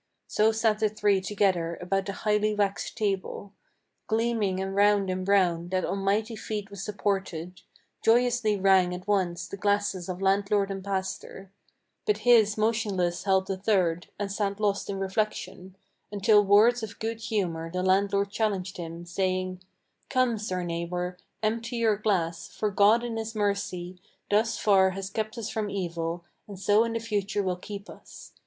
So sat the three together about the highly waxed table, Gleaming and round and brown, that on mighty feet was supported, Joyously rang at once the glasses of landlord and pastor, But his motionless held the third, and sat lost in reflection, Until with words of good humor the landlord challenged him, saying, "Come, sir neighbor, empty your glass, for God in his mercy Thus far has kept us from evil, and so in the future will keep us.